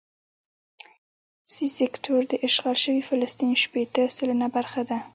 سي سیکټور د اشغال شوي فلسطین شپېته سلنه برخه ده.